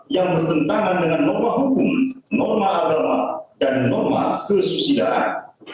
yang bertentangan dengan norma hukum norma agama dan norma kesusidaan